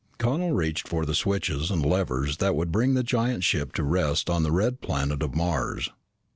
Connel reached for the switches and levers that would bring the giant ship to rest on the red planet of Mars.